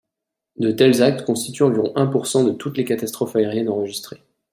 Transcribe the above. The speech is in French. De tels actes constituent environ un pour cent de toutes les catastrophes aériennes enregistrées.